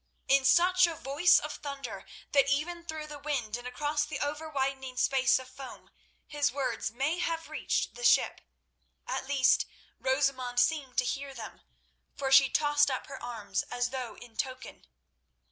in such a voice of thunder, that even through the wind and across the everwidening space of foam his words may have reached the ship. At least Rosamund seemed to hear them, for she tossed up her arms as though in token.